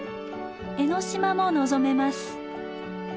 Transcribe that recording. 江の島も望めます。